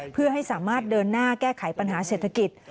เพื่อให้สามารถเดินหน้าแก้ไขปัญหาเศรษฐกิจ